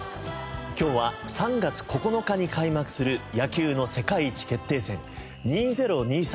今日は３月９日に開幕する野球の世界一決定戦２０２３